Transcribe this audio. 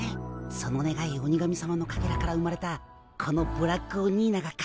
そのねがい鬼神さまのかけらから生まれたこのブラックオニーナがかなえてやる。